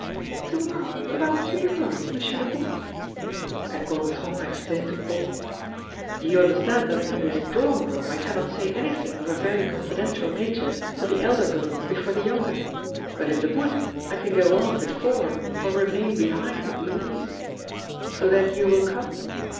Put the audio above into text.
"To morrow, about three o'clock, M. le Comte." And Gontran explained to Paul: "You understand that in this drawing room, I cannot say anything of a very confidential nature to the elder girl before the younger. But in the wood I can go on before or remain behind with Louise. So then you will come?"